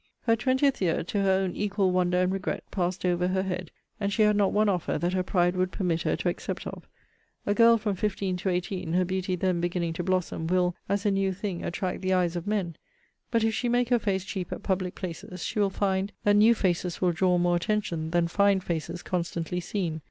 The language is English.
Her twentieth year, to her own equal wonder and regret, passed over her head, and she had not one offer that her pride would permit her to accept of. A girl from fifteen to eighteen, her beauty then beginning to blossom, will, as a new thing, attract the eyes of men: but if she make her face cheap at public places, she will find, that new faces will draw more attention than fine faces constantly seen.